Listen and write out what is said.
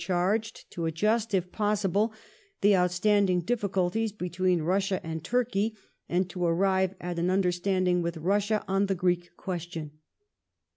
62 ENGLAND AND EUROPE [1815 to adjust, if possible, the outstanding difficulties between Russia and Turkey, and to arrive at an understanding with Russia on the ^) Greek question.